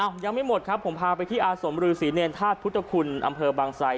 ยังไม่หมดครับผมพาไปที่อาสมรือศรีเนรธาตุพุทธคุณอำเภอบางไซ